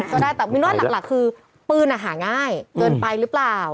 ก็ได้แต่มินว่าหลักคือปืนหาง่ายเกินไปหรือเปล่า